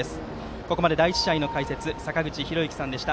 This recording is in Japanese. ここまで第１試合の解説は坂口裕之さんでした。